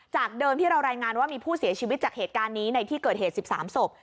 เดิมที่เรารายงานว่ามีผู้เสียชีวิตจากเหตุการณ์นี้ในที่เกิดเหตุ๑๓ศพ